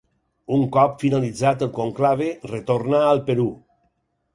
Un cop finalitzat el conclave, retornà al Perú.